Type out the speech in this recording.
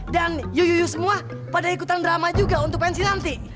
dan yuyuyu semua pada ikutan drama juga untuk pensi nanti